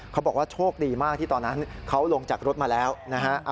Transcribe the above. เขาบอกว่าโชคดีมากที่ตอนนั้นเขาลงจากรถมาแล้วนะฮะ